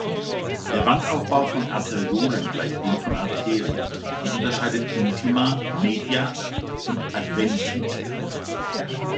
Der Wandaufbau von Arteriolen gleicht dem von Arterien, man unterscheidet "Intima", "Media" und "Adventitia".